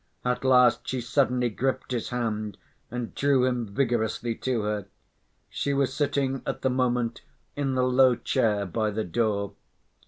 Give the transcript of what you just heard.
At last she suddenly gripped his hand and drew him vigorously to her. She was sitting at the moment in the low chair by the door.